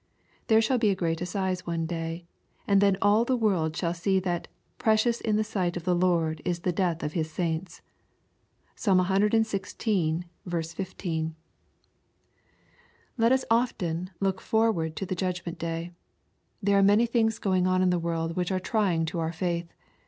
There shall be a great assize one day, and then all the world shall see that " precious in the sight of the Lord is the death of his saints.'' (Psalm cxvi. 15.) 54 EXrOSITORY THOUGHTS. Let us often look forward to the judgment day. There are many things going on in the world which are trying to our faith.